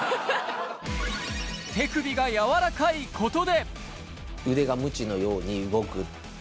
手首が柔らかいことで。